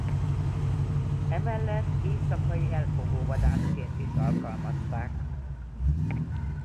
Emellett éjszakai elfogóvadászként is alkalmazták.